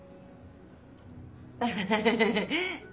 アハハハ。